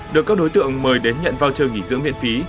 được các đối tượng mời đến nhận voucher nghỉ dưỡng miễn phí